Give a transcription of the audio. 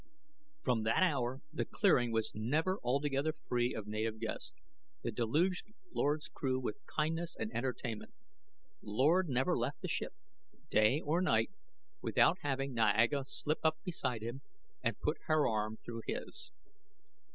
From that hour, the clearing was never altogether free of native guests. They deluged Lord's crew with kindness and entertainment. Lord never left the ship, day or night, without having Niaga slip up beside him and put her arm through his.